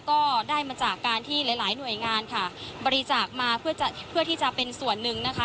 ก็ได้มาจากการที่หลายหลายหน่วยงานค่ะบริจาคมาเพื่อที่จะเป็นส่วนหนึ่งนะคะ